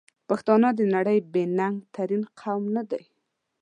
پښتانه د نړۍ بې ننګ ترین قوم ندی؟!